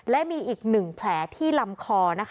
และมีอีก๑แผลที่ลำคอนะคะ